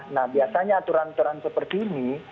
nah biasanya aturan aturan seperti ini